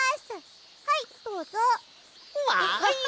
わい！